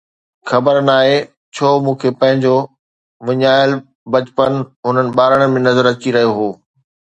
خبر ناهي ڇو مون کي پنهنجو وڃايل بچپن هنن ٻارن ۾ نظر اچي رهيو هو